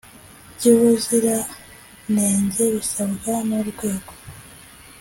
by ubuziranenge bisabwa n urwego